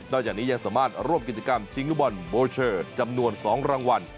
จากนี้ยังสามารถร่วมกิจกรรมชิงลูกบอลโบเชอร์จำนวน๒รางวัล